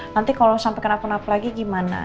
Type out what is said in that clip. nanti kalau sampai kena penapel lagi gimana